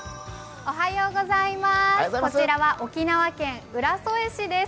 こちらは沖縄県浦添市です。